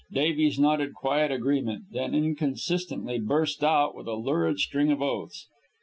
Davies nodded quiet agreement, then inconsistently burst out with a lurid string of oaths.